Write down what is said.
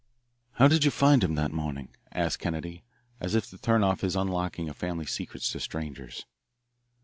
"How did you find him that morning?" asked Kennedy, as if to turn off this unlocking of family secrets to strangers.